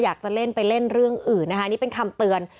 อยากจะเล่นไปเล่นเรื่องอื่นนะคะนี่เป็นคำเตือน